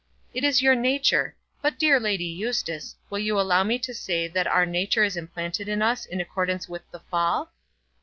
"It is your nature; but, dear Lady Eustace, will you allow me to say that our nature is implanted in us in accordance with the Fall?"